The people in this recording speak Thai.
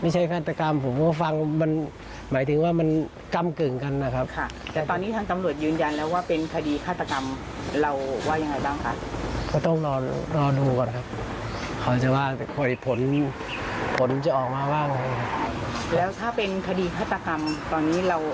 สมมุติว่าเป็นคนที่เรารู้จักเรารู้สึกยังไงบ้าง